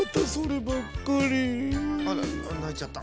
あらないちゃった。